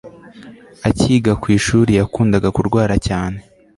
akiga kwishuri yakundaga kurwara cyane